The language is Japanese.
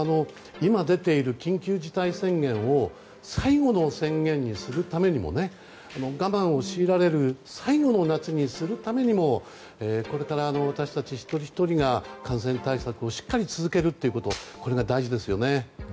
今出ている緊急事態宣言を最後の宣言にするためにも我慢を強いられる最後の夏にするためにもこれから私たち一人ひとりが感染対策をしっかり続けるということこれが大事ですよね。